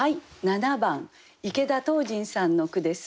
７番池田桐人さんの句です。